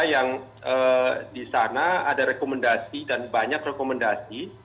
yang di sana ada rekomendasi dan banyak rekomendasi